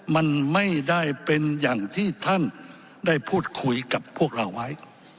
มันไม่ได้เป็นอย่างที่ท่านได้พูดคุยกับพวกเราไว้